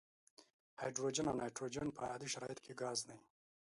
هایدروجن او نایتروجن په عادي شرایطو کې ګاز دي.